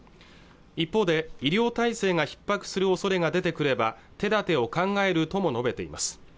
一方で医療体制がひっ迫する恐れが出てくれば手立てを考えるとも述べています